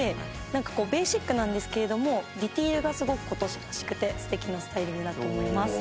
なんかこうベーシックなんですけれどもディテールがすごく今年らしくて素敵なスタイリングだと思います。